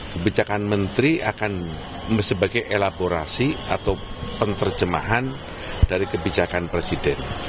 kebijakan menteri akan sebagai elaborasi atau penerjemahan dari kebijakan presiden